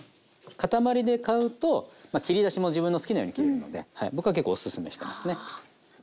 塊で買うと切り出しも自分の好きなように切れるので僕は結構おすすめしてますね。